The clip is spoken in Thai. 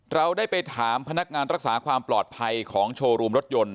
เราได้ไปถามพนักงานรักษาความปลอดภัยของโชว์รูมรถยนต์